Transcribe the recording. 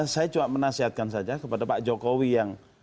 saya cuma menasihatkan saja kepada pak jokowi yang